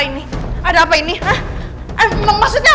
enggak ini cuma salah paham